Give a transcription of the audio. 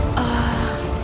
kita akan mencari pembunuhnya